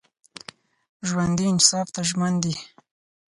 ژوندي انصاف ته ژمن دي